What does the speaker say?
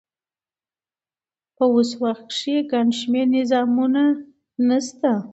په اوس وخت کښي ګڼ شمېر نظامونه سته.